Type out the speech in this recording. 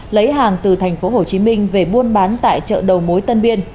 lấy hàng từ thành phố hồ chí minh về buôn bán tại chợ đầu mối tân biên